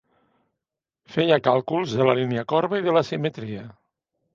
Feia càlculs de la línia corba i de l'asimetria.